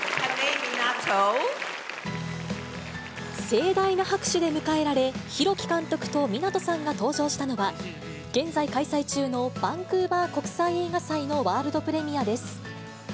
盛大な拍手で迎えられ、廣木監督と湊さんが登場したのは、現在開催中のバンクーバー国際映画祭のワールドプレミアです。